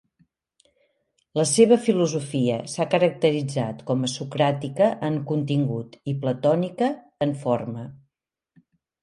La seva filosofia s'ha caracteritzat com a socràtica en contingut i platònica en forma.